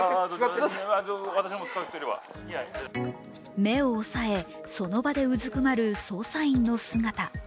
目を押さえ、その場でうずくまる捜査員の姿。